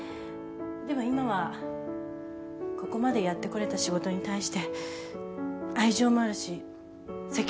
でも今はここまでやってこれた仕事に対して愛情もあるし責任もある。